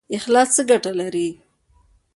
اخلاص څه ګټه لري؟